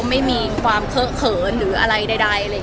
ไม่มีความเคอะเขินหรืออะไรใดเลย